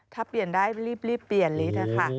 ถ้าเปลี่ยนได้รีบเปลี่ยนฤทธิ์ค่ะ